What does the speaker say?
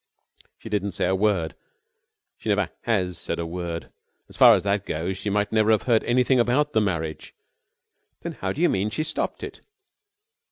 "She didn't say a word. She never has said a word. As far as that goes she might never have heard anything about the marriage." "Then how do you mean she stopped it?"